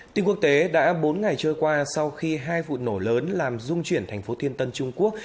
tin quốc tế đã bốn ngày trôi qua sau khi hai vụ nổ lớn làm dung chuyển thành phố thiên tân trung quốc